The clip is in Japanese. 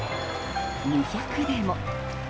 ２００でも。